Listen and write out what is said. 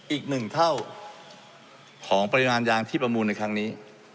อีก๑เท่าของปริมาณยางที่ประมูลในครั้งนี้